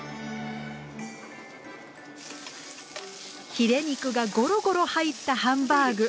ヒレ肉がゴロゴロ入ったハンバーグ。